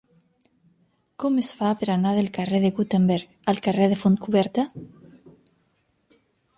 Com es fa per anar del carrer de Gutenberg al carrer de Fontcoberta?